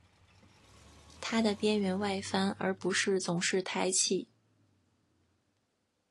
它的边缘外翻而不是总是抬起。